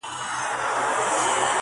چي فلک به کوږ ورګوري دښمن زما دی!!